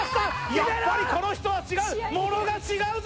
やっぱりこの人は違う、ものが違うぜ！